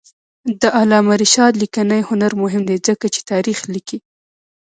د علامه رشاد لیکنی هنر مهم دی ځکه چې تاریخ لیکي.